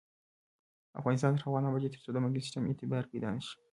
افغانستان تر هغو نه ابادیږي، ترڅو د بانکي سیستم اعتبار پیدا نشي.